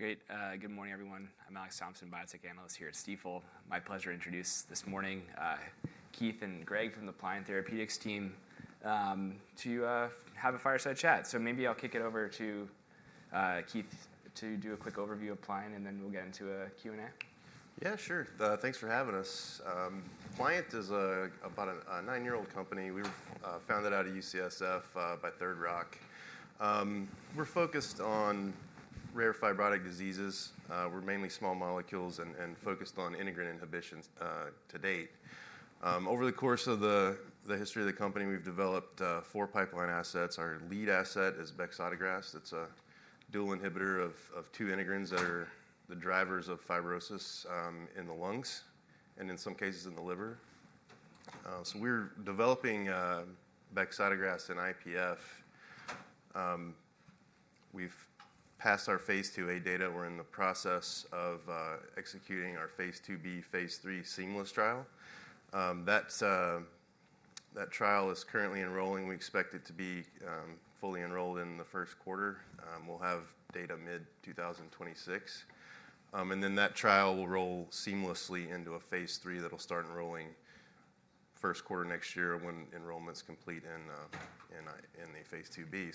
Great. Good morning, everyone. I'm Alex Thompson, Biotech Analyst here at Stifel. My pleasure to introduce this morning Keith and Greg from the Pliant Therapeutics team to have a fireside chat. So maybe I'll kick it over to Keith to do a quick overview of Pliant, and then we'll get into a Q&A. Yeah, sure. Thanks for having us. Pliant is about a nine-year-old company. We were founded at UCSF by Third Rock. We're focused on rare fibrotic diseases. We're mainly small molecules and focused on integrin inhibitions to date. Over the course of the history of the company, we've developed four pipeline assets. Our lead asset is bexotegrast. It's a dual inhibitor of two integrins that are the drivers of fibrosis in the lungs and, in some cases, in the liver. So we're developing bexotegrast in IPF. We've passed our phase II-A data. We're in the process of executing our phase II-B, phase III seamless trial. That trial is currently enrolling. We expect it to be fully enrolled in the first quarter. We'll have data mid-2026. And then that trial will roll seamlessly into a phase III that'll start enrolling first quarter next year when enrollment's complete in the phase II-A.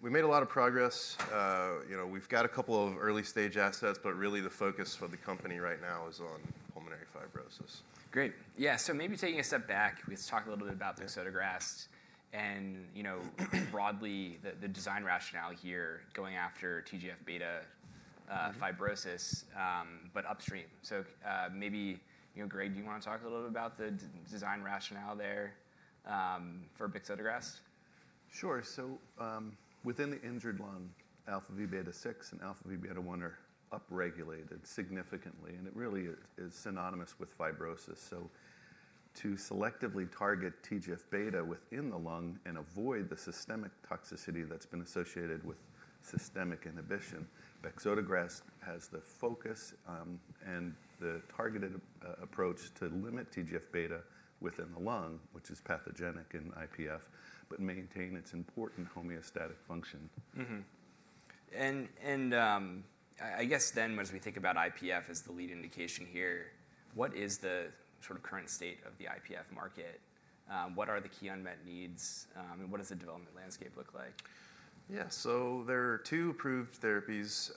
We made a lot of progress. We've got a couple of early-stage assets, but really the focus for the company right now is on pulmonary fibrosis. Great. Yeah. So maybe taking a step back, we've talked a little bit about bexotegrast and broadly the design rationale here going after TGF-β fibrosis, but upstream. So maybe Greg, do you want to talk a little bit about the design rationale there for bexotegrast? Sure. So within the injured lung, αvβ6 and αvβ1 are upregulated significantly, and it really is synonymous with fibrosis. So to selectively target TGF-β within the lung and avoid the systemic toxicity that's been associated with systemic inhibition, bexotegrast has the focus and the targeted approach to limit TGF-β within the lung, which is pathogenic in IPF, but maintain its important homeostatic function. I guess then as we think about IPF as the lead indication here, what is the current state of the IPF market? What are the key unmet needs? What does the development landscape look like? Yeah. So there are two approved therapies.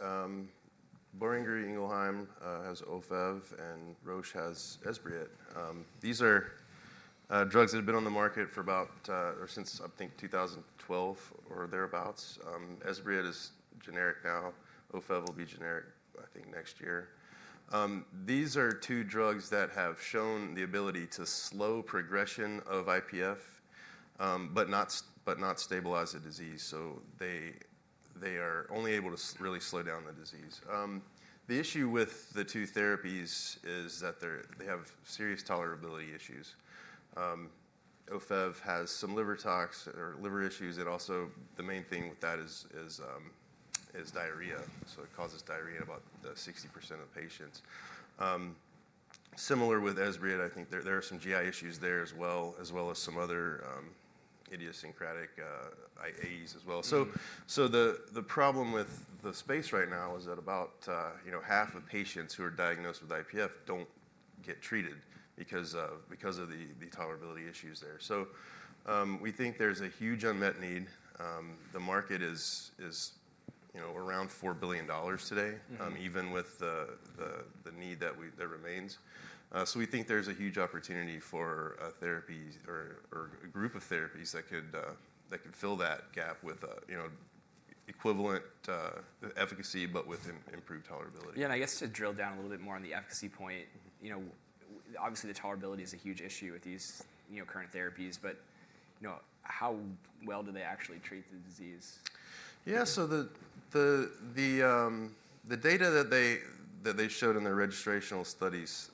Boehringer Ingelheim has Ofev, and Roche has Esbriet. These are drugs that have been on the market for about or since, I think, 2012 or thereabouts. Esbriet is generic now. Ofev will be generic, I think, next year. These are two drugs that have shown the ability to slow progression of IPF but not stabilize the disease. So they are only able to really slow down the disease. The issue with the two therapies is that they have serious tolerability issues. Ofev has some liver tox or liver issues. And also, the main thing with that is diarrhea. So it causes diarrhea in about 60% of patients. Similar with Esbriet, I think there are some GI issues there as well, as well as some other idiosyncratic AEs as well. The problem with the space right now is that about half of patients who are diagnosed with IPF don't get treated because of the tolerability issues there. We think there's a huge unmet need. The market is around $4 billion today, even with the need that remains. We think there's a huge opportunity for a therapy or a group of therapies that could fill that gap with equivalent efficacy but with improved tolerability. Yeah. And I guess to drill down a little bit more on the efficacy point, obviously the tolerability is a huge issue with these current therapies, but how well do they actually treat the disease? Yeah. So the data that they showed in their registrational studies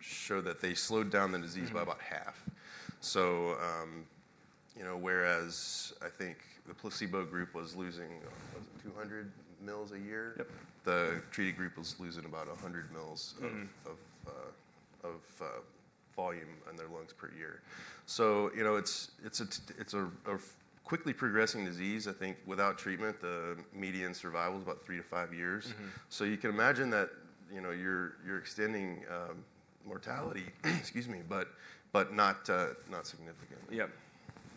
show that they slowed down the disease by about half. So whereas I think the placebo group was losing, was it 200 mL a year? The treated group was losing about 100 mL of volume in their lungs per year. So it's a quickly progressing disease. I think without treatment, the median survival is about three to five years. So you can imagine that you're extending mortality, excuse me, but not significantly. Yep.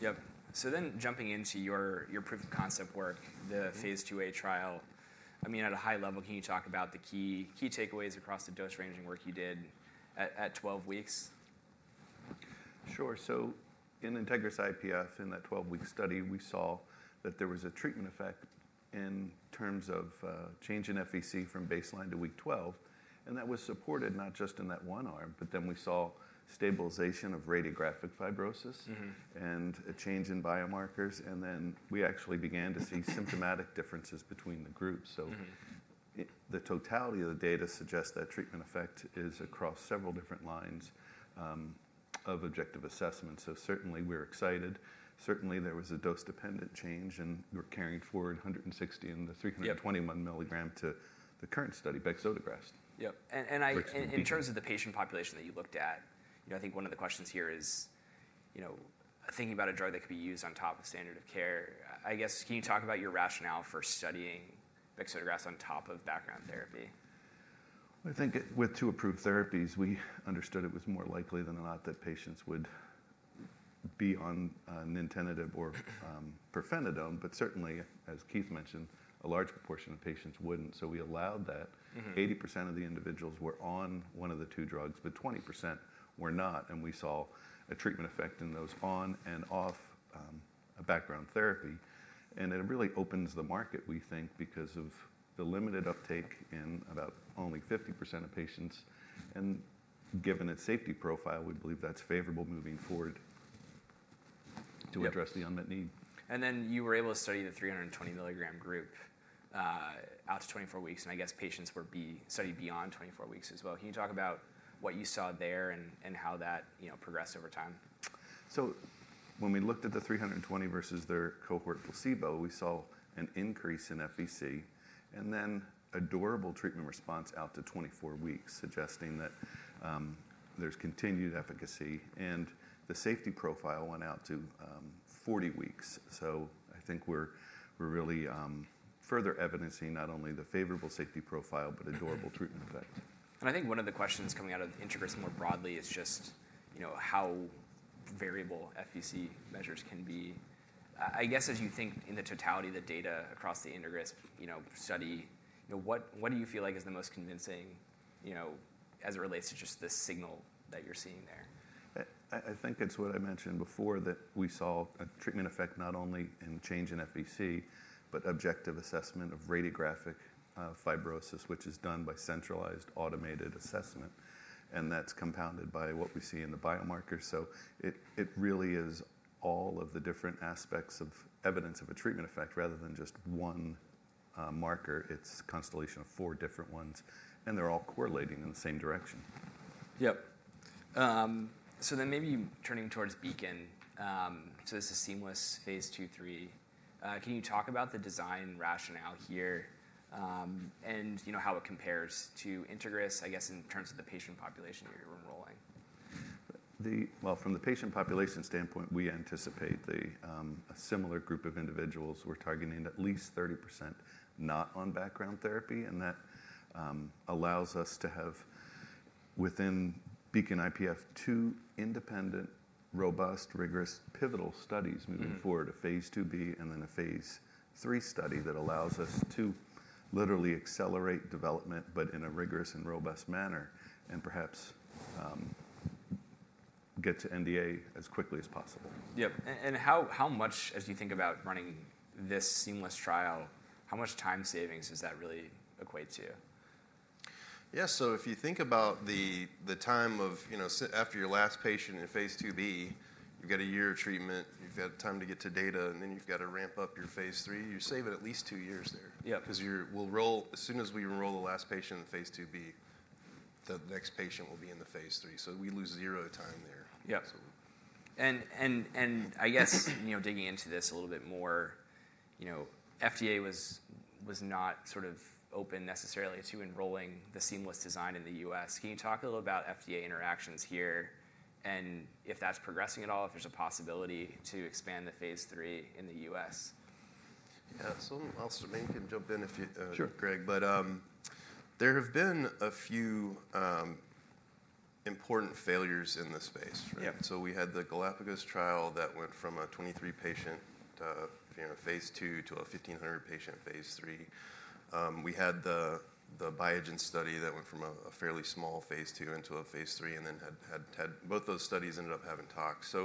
Yep. So then jumping into your proof of concept work, the phase II-A trial, I mean, at a high level, can you talk about the key takeaways across the dose ranging work you did at 12 weeks? Sure. So in INTEGRIS-IPF, in that 12-week study, we saw that there was a treatment effect in terms of change in FVC from baseline to week 12. That was supported not just in that one arm, but then we saw stabilization of radiographic fibrosis and a change in biomarkers. Then we actually began to see symptomatic differences between the groups. The totality of the data suggests that treatment effect is across several different lines of objective assessment. Certainly we're excited. Certainly there was a dose-dependent change, and we're carrying forward 160 and the 320 milligram to the current study, bexotegrast. Yep. And in terms of the patient population that you looked at, I think one of the questions here is thinking about a drug that could be used on top of standard of care. I guess can you talk about your rationale for studying bexotegrast on top of background therapy? I think with two approved therapies, we understood it was more likely than not that patients would be on nintedanib or pirfenidone. But certainly, as Keith mentioned, a large proportion of patients wouldn't. So we allowed that. 80% of the individuals were on one of the two drugs, but 20% were not. And we saw a treatment effect in those on and off a background therapy. And it really opens the market, we think, because of the limited uptake in about only 50% of patients. And given its safety profile, we believe that's favorable moving forward to address the unmet need. Then you were able to study the 320 milligram group out to 24 weeks. I guess patients were studied beyond 24 weeks as well. Can you talk about what you saw there and how that progressed over time? So when we looked at the 320 versus their cohort placebo, we saw an increase in FVC and then a durable treatment response out to 24 weeks, suggesting that there's continued efficacy. And the safety profile went out to 40 weeks. So I think we're really further evidencing not only the favorable safety profile, but a durable treatment effect. I think one of the questions coming out of INTEGRIS more broadly is just how variable FVC measures can be. I guess as you think in the totality of the data across the INTEGRIS study, what do you feel like is the most convincing as it relates to just the signal that you're seeing there? I think it's what I mentioned before, that we saw a treatment effect not only in change in FVC, but objective assessment of radiographic fibrosis, which is done by centralized automated assessment. And that's compounded by what we see in the biomarkers. So it really is all of the different aspects of evidence of a treatment effect rather than just one marker. It's a constellation of four different ones, and they're all correlating in the same direction. Yep. So then maybe turning towards BEACON-IPF. So this is seamless phase II, phase III. Can you talk about the design rationale here and how it compares to INTEGRIS, I guess, in terms of the patient population that you're enrolling? From the patient population standpoint, we anticipate a similar group of individuals. We're targeting at least 30% not on background therapy, and that allows us to have within BEACON-IPF two independent, robust, rigorous, pivotal studies moving forward, a phase II-B and then a phase III study that allows us to literally accelerate development, but in a rigorous and robust manner, and perhaps get to NDA as quickly as possible. Yep. And how much, as you think about running this seamless trial, how much time savings does that really equate to? Yeah. So if you think about the time after your last patient in phase II-B, you've got a year of treatment. You've got time to get to data, and then you've got to ramp up your phase III. You save it at least two years there. Yeah, because as soon as we enroll the last patient in phase II-B, the next patient will be in the phase III. So we lose zero time there. Yep. And I guess digging into this a little bit more, FDA was not sort of open necessarily to enrolling the seamless design in the U.S. Can you talk a little about FDA interactions here and if that's progressing at all, if there's a possibility to expand the phase III in the U.S.? Yeah, so I'll maybe jump in if you, Greg, but there have been a few important failures in this space. We had the Galapagos trial that went from a 23-patient phase II to a 1,500-patient phase III. We had the Biogen study that went from a fairly small phase II into a phase III, and then both those studies ended up having tox.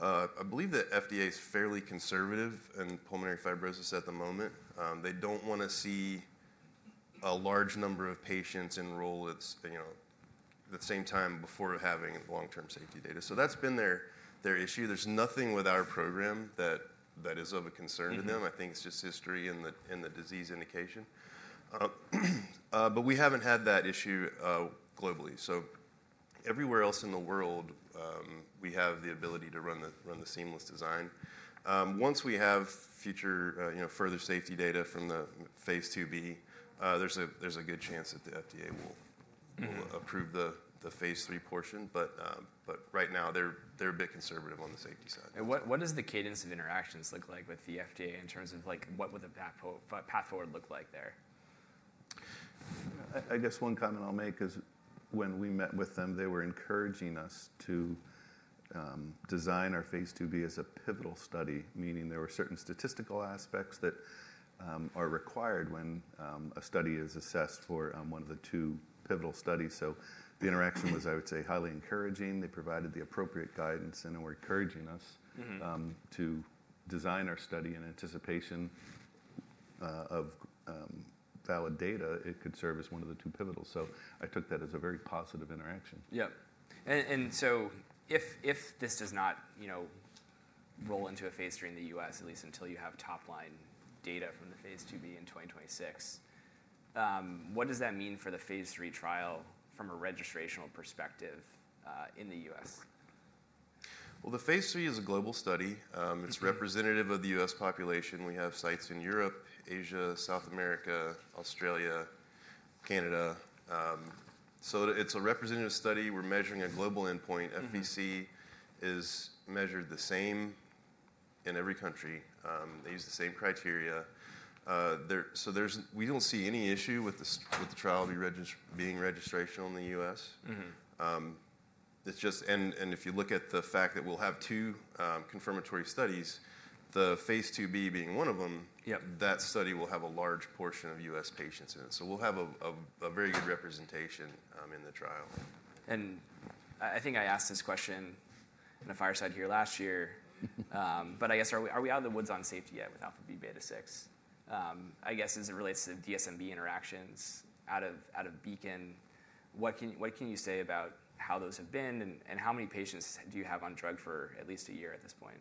I believe that FDA is fairly conservative in pulmonary fibrosis at the moment. They don't want to see a large number of patients enroll at the same time before having long-term safety data. That's been their issue. There's nothing with our program that is of a concern to them. I think it's just history and the disease indication. We haven't had that issue globally. Everywhere else in the world, we have the ability to run the seamless design. Once we have future further safety data from the phase II-B, there's a good chance that the FDA will approve the phase III portion, but right now, they're a bit conservative on the safety side. What does the cadence of interactions look like with the FDA in terms of what would the path forward look like there? I guess one comment I'll make is when we met with them, they were encouraging us to design our phase II-B as a pivotal study, meaning there were certain statistical aspects that are required when a study is assessed for one of the two pivotal studies. So the interaction was, I would say, highly encouraging. They provided the appropriate guidance, and they were encouraging us to design our study in anticipation of valid data. It could serve as one of the two pivotals. So I took that as a very positive interaction. Yep. And so if this does not roll into a phase III in the U.S., at least until you have top-line data from the phase II-B in 2026, what does that mean for the phase III trial from a registrational perspective in the U.S.? The phase III is a global study. It's representative of the U.S. population. We have sites in Europe, Asia, South America, Australia, Canada. It's a representative study. We're measuring a global endpoint. FVC is measured the same in every country. They use the same criteria. We don't see any issue with the trial being registrational in the U.S. If you look at the fact that we'll have two confirmatory studies, the phase II-B being one of them, that study will have a large portion of U.S. patients in it. We'll have a very good representation in the trial. I think I asked this question in a fireside here last year, but I guess are we out of the woods on safety yet with αvβ6? I guess as it relates to DSMB interactions out of BEACON-IPF, what can you say about how those have been and how many patients do you have on drug for at least a year at this point?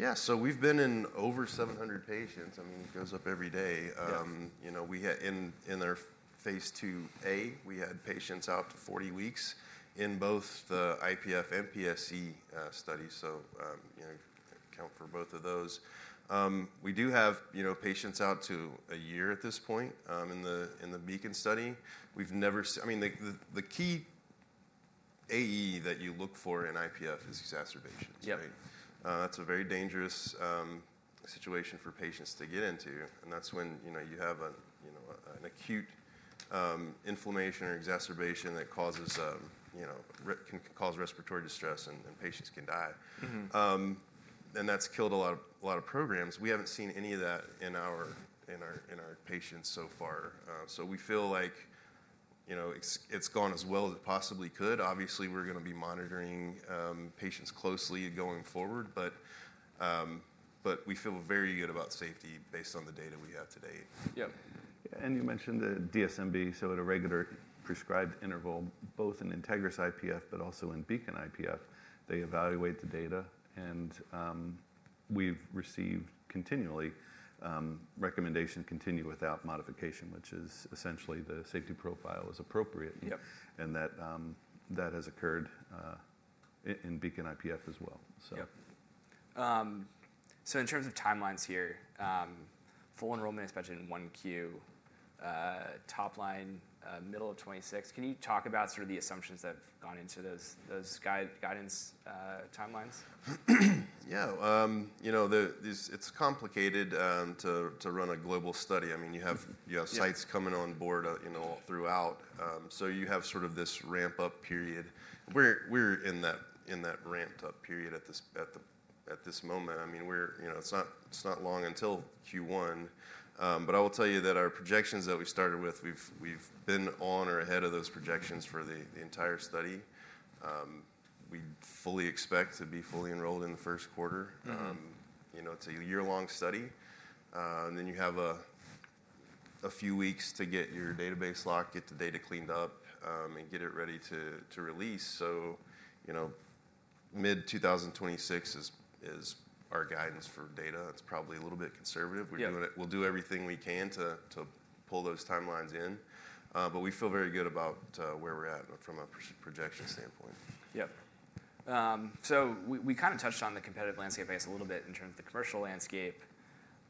Yeah. So we've been in over 700 patients. I mean, it goes up every day. In our phase II-A, we had patients out to 40 weeks in both the IPF and PSC studies. So count for both of those. We do have patients out to a year at this point in the BEACON-IPF study. I mean, the key AE that you look for in IPF is exacerbations, right? That's a very dangerous situation for patients to get into, and that's when you have an acute inflammation or exacerbation that can cause respiratory distress, and patients can die, and that's killed a lot of programs. We haven't seen any of that in our patients so far, so we feel like it's gone as well as it possibly could. Obviously, we're going to be monitoring patients closely going forward, but we feel very good about safety based on the data we have to date. Yeah. And you mentioned the DSMB. So at a regular prescribed interval, both in INTEGRIS-IPF, but also in BEACON-IPF, they evaluate the data. And we've received continually recommendations to continue without modification, which is essentially the safety profile is appropriate, and that has occurred in BEACON-IPF as well. So in terms of timelines here, full enrollment is mentioned in Q1, topline, middle of 2026. Can you talk about sort of the assumptions that have gone into those guidance timelines? Yeah. It's complicated to run a global study. I mean, you have sites coming on board throughout. So you have sort of this ramp-up period. We're in that ramp-up period at this moment. I mean, it's not long until Q1. But I will tell you that our projections that we started with, we've been on or ahead of those projections for the entire study. We fully expect to be fully enrolled in the first quarter. It's a year-long study. And then you have a few weeks to get your database locked, get the data cleaned up, and get it ready to release. So mid-2026 is our guidance for data. It's probably a little bit conservative. We'll do everything we can to pull those timelines in. But we feel very good about where we're at from a projection standpoint. Yep, so we kind of touched on the competitive landscape, I guess, a little bit in terms of the commercial landscape,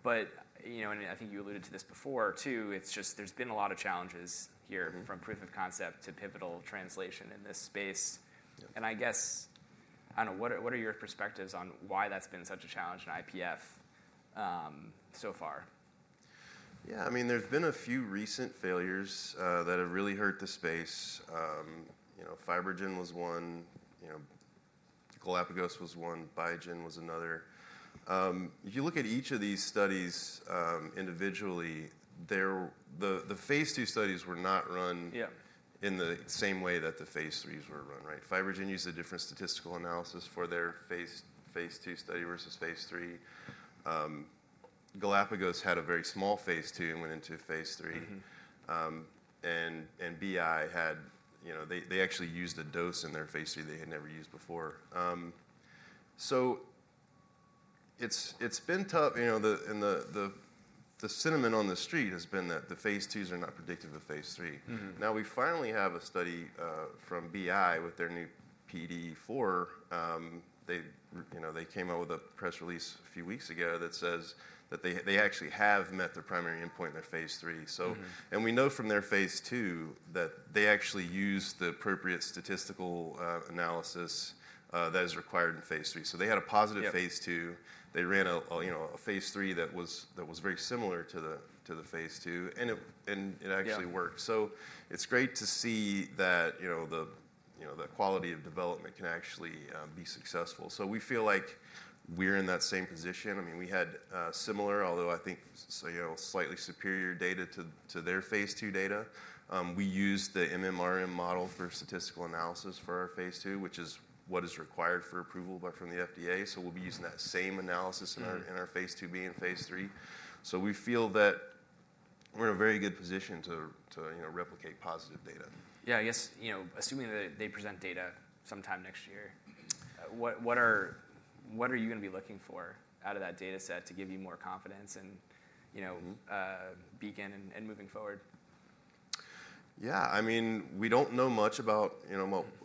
but I think you alluded to this before too. It's just there's been a lot of challenges here from proof of concept to pivotal translation in this space, and I guess, I don't know, what are your perspectives on why that's been such a challenge in IPF so far? Yeah. I mean, there's been a few recent failures that have really hurt the space. FibroGen was one. Galapagos was one. Biogen was another. If you look at each of these studies individually, the phase II studies were not run in the same way that the phase III were run, right? FibroGen used a different statistical analysis for their phase II study versus phase III. Galapagos had a very small phase II and went into phase III. And BI had they actually used a dose in their phase III they had never used before. So it's been tough. And the scuttlebutt on the street has been that the phase II are not predictive of phase III. Now we finally have a study from BI with their new PDE4. They came out with a press release a few weeks ago that says that they actually have met their primary endpoint in their phase III. And we know from their phase II that they actually used the appropriate statistical analysis that is required in phase III. So they had a positive phase II. They ran a phase III that was very similar to the phase II, and it actually worked. So it's great to see that the quality of development can actually be successful. So we feel like we're in that same position. I mean, we had similar, although I think slightly superior data to their phase II data. We used the MMRM model for statistical analysis for our phase II, which is what is required for approval from the FDA. So we'll be using that same analysis in our phase II-B and phase III. We feel that we're in a very good position to replicate positive data. Yeah. I guess assuming that they present data sometime next year, what are you going to be looking for out of that data set to give you more confidence in BEACON-IPF and moving forward? Yeah. I mean, we don't know much about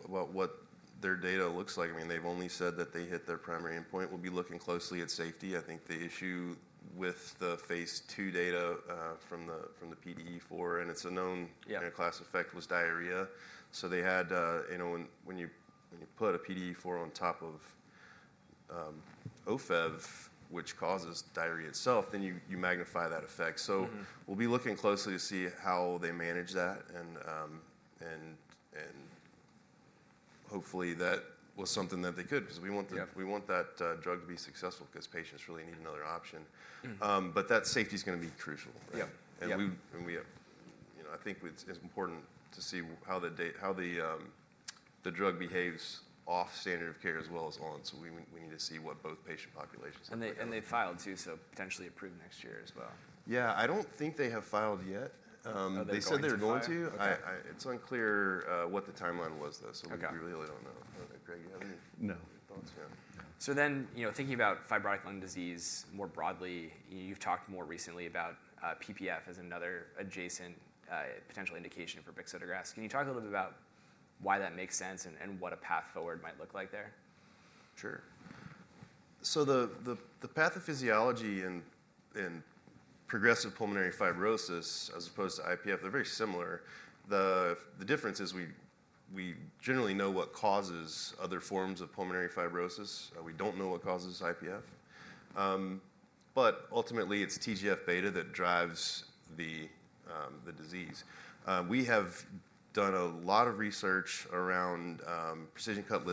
what their data looks like. I mean, they've only said that they hit their primary endpoint. We'll be looking closely at safety. I think the issue with the phase II data from the PDE4, and it's a known class effect, was diarrhea. So when you put a PDE4 on top of Ofev, which causes diarrhea itself, then you magnify that effect. So we'll be looking closely to see how they manage that. And hopefully, that was something that they could because we want that drug to be successful because patients really need another option. But that safety is going to be crucial, right? And I think it's important to see how the drug behaves off standard of care as well as on. So we need to see what both patient populations are doing. They filed too, so potentially approval next year as well. Yeah. I don't think they have filed yet. Oh, they haven't? They said they were going to. It's unclear what the timeline was, though. So we really don't know. Greg, do you have any thoughts? No. So then thinking about fibrotic lung disease more broadly, you've talked more recently about PPF as another adjacent potential indication for bexotegrast. Can you talk a little bit about why that makes sense and what a path forward might look like there? Sure. So the pathophysiology in progressive pulmonary fibrosis as opposed to IPF, they're very similar. The difference is we generally know what causes other forms of pulmonary fibrosis. We don't know what causes IPF. But ultimately, it's TGF-β that drives the disease. We have done a lot of research around precision cut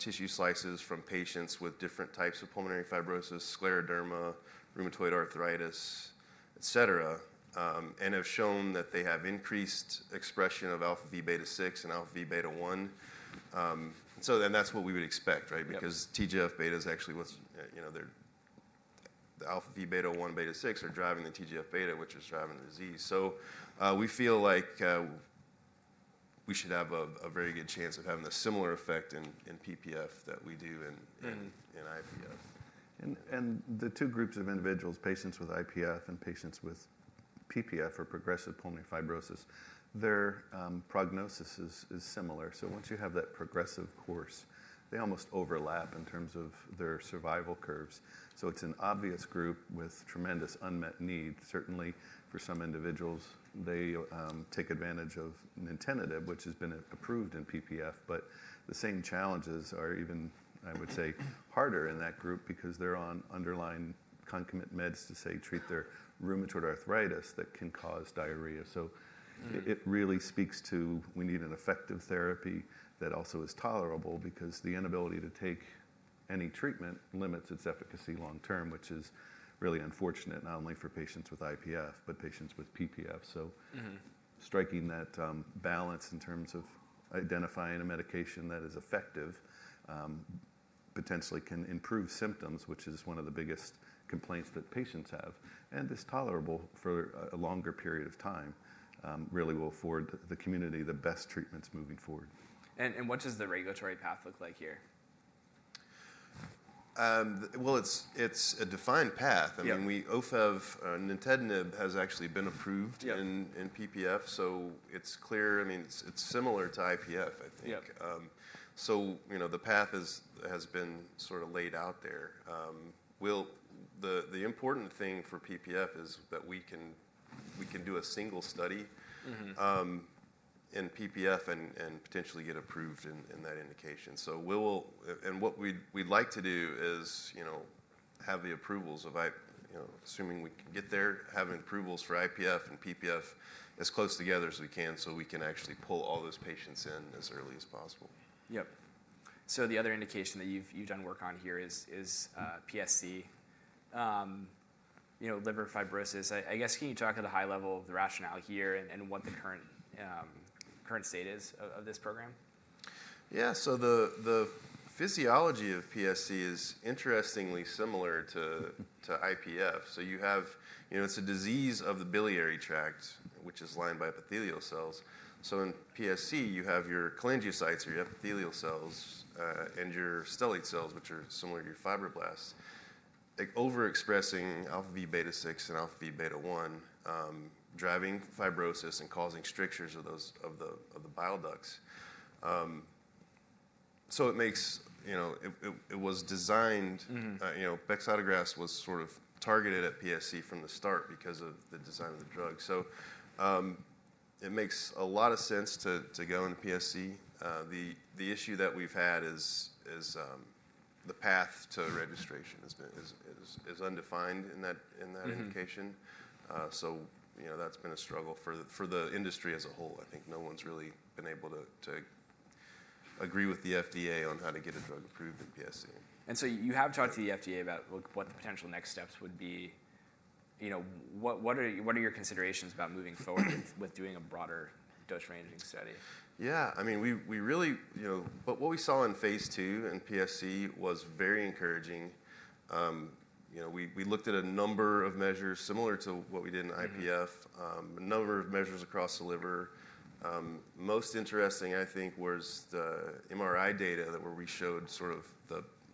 tissue slices from patients with different types of pulmonary fibrosis, scleroderma, rheumatoid arthritis, etc., and have shown that they have increased expression of αvβ6 and αvβ61. And that's what we would expect, right? Because TGF-β is actually what's the αvβ1 and αvβ6 are driving the TGF-β, which is driving the disease. So we feel like we should have a very good chance of having a similar effect in PPF that we do in IPF. The two groups of individuals, patients with IPF and patients with PPF or progressive pulmonary fibrosis, their prognosis is similar. So once you have that progressive course, they almost overlap in terms of their survival curves. So it's an obvious group with tremendous unmet need. Certainly, for some individuals, they take advantage of nintedanib, which has been approved in PPF. But the same challenges are even, I would say, harder in that group because they're on underlying concomitant meds to, say, treat their rheumatoid arthritis that can cause diarrhea. So it really speaks to we need an effective therapy that also is tolerable because the inability to take any treatment limits its efficacy long-term, which is really unfortunate not only for patients with IPF, but patients with PPF. Striking that balance in terms of identifying a medication that is effective potentially can improve symptoms, which is one of the biggest complaints that patients have, and is tolerable for a longer period of time really will afford the community the best treatments moving forward. What does the regulatory path look like here? It's a defined path. I mean, Ofev, nintedanib has actually been approved in PPF. It's clear. I mean, it's similar to IPF, I think. The path has been sort of laid out there. The important thing for PPF is that we can do a single study in PPF and potentially get approved in that indication. What we'd like to do is have the approvals, assuming we can get there, have approvals for IPF and PPF as close together as we can so we can actually pull all those patients in as early as possible. Yep. So the other indication that you've done work on here is PSC, liver fibrosis. I guess can you talk at a high level of the rationale here and what the current state is of this program? Yeah. So the physiology of PSC is interestingly similar to IPF. So it's a disease of the biliary tract, which is lined by epithelial cells. So in PSC, you have your cholangiocytes or your epithelial cells and your stellate cells, which are similar to your fibroblasts, overexpressing αvβ6 and αvβ1, driving fibrosis and causing strictures of the bile ducts. So it was designed bexotegrast was sort of targeted at PSC from the start because of the design of the drug. So it makes a lot of sense to go into PSC. The issue that we've had is the path to registration is undefined in that indication. So that's been a struggle for the industry as a whole. I think no one's really been able to agree with the FDA on how to get a drug approved in PSC. And so you have talked to the FDA about what the potential next steps would be. What are your considerations about moving forward with doing a broader dose ranging study? Yeah. I mean, what we saw in phase II in PSC was very encouraging. We looked at a number of measures similar to what we did in IPF, a number of measures across the liver. Most interesting, I think, was the MRI data where we showed sort of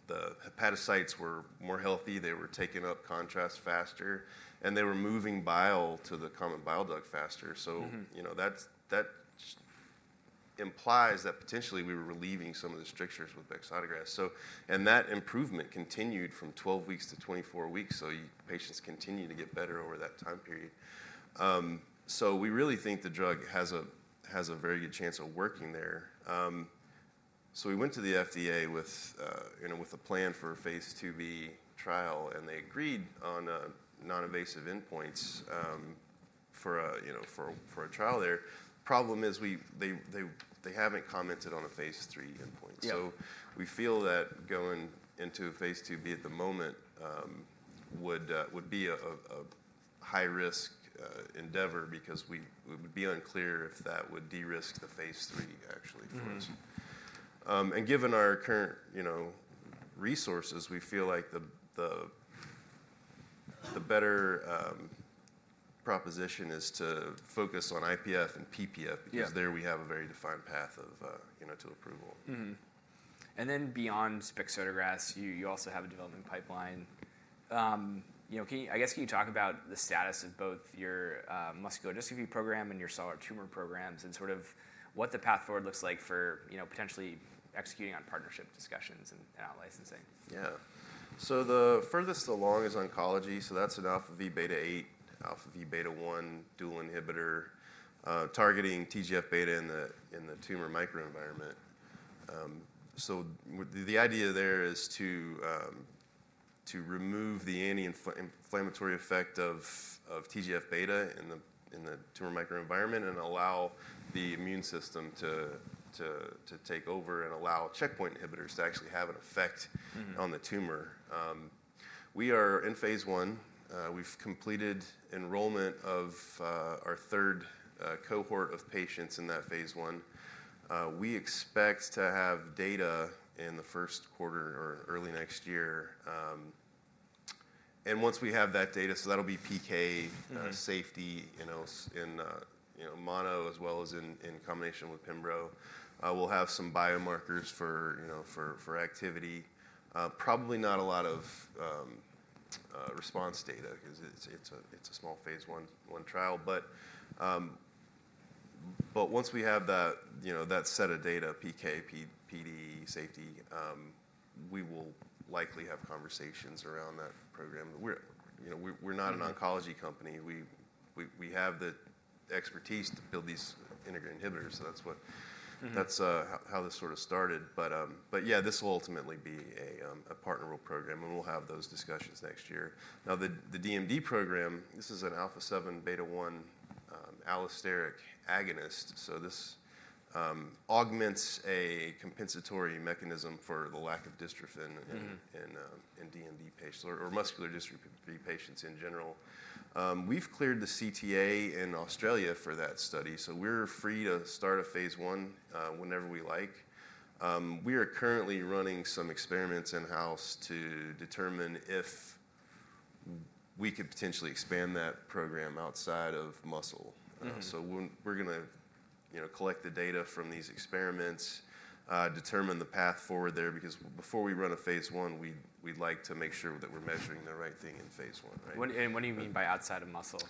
the hepatocytes were more healthy. They were taking up contrast faster, and they were moving bile to the common bile duct faster. So that implies that potentially we were relieving some of the strictures with bexotegrast, and that improvement continued from 12 weeks to 24 weeks, so patients continue to get better over that time period. So we really think the drug has a very good chance of working there, so we went to the FDA with a plan for a phase II-B trial, and they agreed on non-invasive endpoints for a trial there. Problem is they haven't commented on a phase III endpoint, so we feel that going into a phase II-B at the moment would be a high-risk endeavor because we would be unclear if that would de-risk the phase III actually for us, and given our current resources, we feel like the better proposition is to focus on IPF and PPF because there we have a very defined path to approval. And then beyond bexotegrast, you also have a development pipeline. I guess, can you talk about the status of both your muscular dystrophy program and your solid tumor programs and sort of what the path forward looks like for potentially executing on partnership discussions and outlicensing? Yeah. So the furthest along is oncology. So that's an αvβ8, αvβ1 dual inhibitor targeting TGF-β in the tumor microenvironment. So the idea there is to remove the anti-inflammatory effect of TGF-β in the tumor microenvironment and allow the immune system to take over and allow checkpoint inhibitors to actually have an effect on the tumor. We are in phase I. We've completed enrollment of our third cohort of patients in that phase I. We expect to have data in the first quarter or early next year. And once we have that data, so that'll be PK safety in mono as well as in combination with Pembro. We'll have some biomarkers for activity. Probably not a lot of response data because it's a small phase I trial. But once we have that set of data, PK, PD safety, we will likely have conversations around that program. We're not an oncology company. We have the expertise to build these integrated inhibitors. So that's how this sort of started. But yeah, this will ultimately be a partner program, and we'll have those discussions next year. Now, the DMD program, this is an α7 β1 allosteric agonist. So this augments a compensatory mechanism for the lack of dystrophin in DMD patients or muscular dystrophy patients in general. We've cleared the CTA in Australia for that study. So we're free to start a phase I whenever we like. We are currently running some experiments in-house to determine if we could potentially expand that program outside of muscle. So we're going to collect the data from these experiments, determine the path forward there because before we run a phase I, we'd like to make sure that we're measuring the right thing in phase I, right? What do you mean by outside of muscle?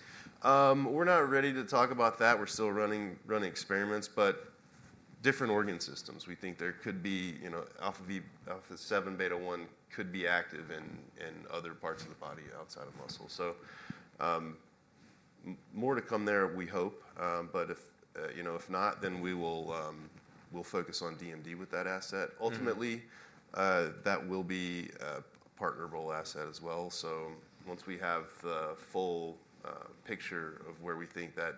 We're not ready to talk about that. We're still running experiments, but different organ systems. We think α7β1 could be active in other parts of the body outside of muscle, so more to come there, we hope, but if not, then we will focus on DMD with that asset. Ultimately, that will be a partnerable asset as well, so once we have the full picture of where we think that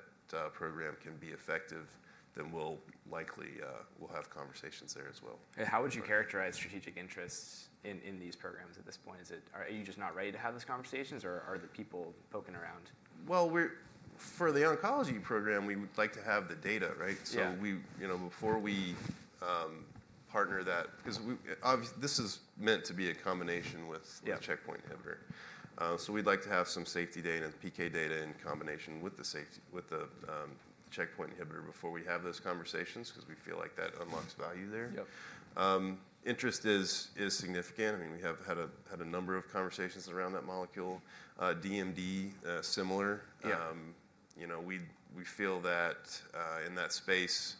program can be effective, then we'll likely have conversations there as well. And how would you characterize strategic interests in these programs at this point? Are you just not ready to have those conversations, or are the people poking around? For the oncology program, we would like to have the data, right? So before we partner that because this is meant to be a combination with the checkpoint inhibitor. So we'd like to have some safety data and PK data in combination with the checkpoint inhibitor before we have those conversations because we feel like that unlocks value there. Interest is significant. I mean, we have had a number of conversations around that molecule. DMD, similar. We feel that in that space,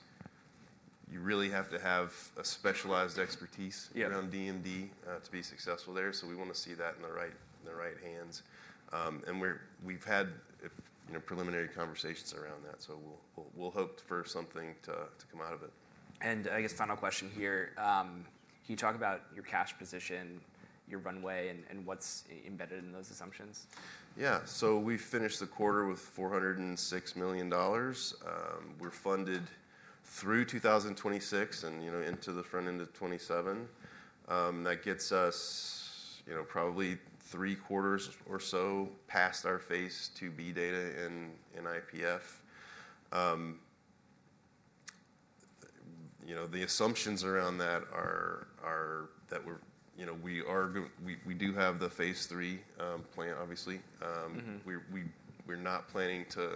you really have to have a specialized expertise around DMD to be successful there. So we want to see that in the right hands. And we've had preliminary conversations around that. So we'll hope for something to come out of it. And I guess final question here. Can you talk about your cash position, your runway, and what's embedded in those assumptions? Yeah. So we finished the quarter with $406 million. We're funded through 2026 and into the front end of 2027. That gets us probably three quarters or so past our phase II-B data in IPF. The assumptions around that are that we do have the phase III plan, obviously. We're not planning to.